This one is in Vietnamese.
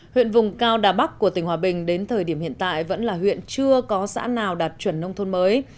huyện vùng cao đà bắc của tỉnh hòa bình đến thời điểm hiện tại vẫn là huyện chưa có xã nào đạt chuẩn nông thôn mới